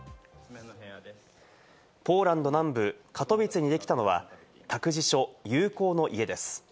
ポーランド南部カトウィツェにできたのは、託児所・友好の家です。